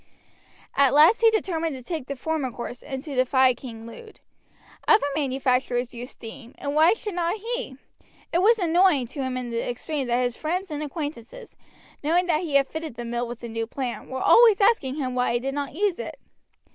At last he determined to take the former course and to defy King Lud. Other manufacturers used steam, and why should not he? It was annoying to him in the extreme that his friends and acquaintances, knowing that he had fitted the mill with the new plant, were always asking him why he did not use it.